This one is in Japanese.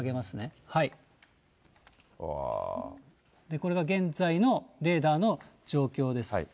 これが現在のレーダーの状況です。